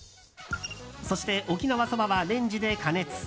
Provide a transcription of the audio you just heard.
そして沖縄そばはレンジで加熱。